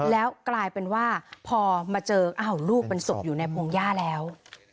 แล้วกลายเป็นว่าพอมาเจออ้าวลูกเป็นศพอยู่ในพงหญ้าแล้ว